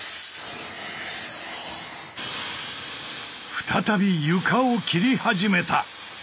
再び床を切り始めた。